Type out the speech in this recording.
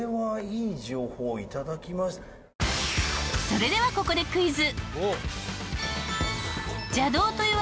それではここでクイズ！